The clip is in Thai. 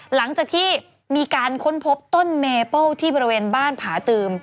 หลังจากที่มีการค้นพบต้นเมเปิ้ลที่บริเวณบ้านผาตืม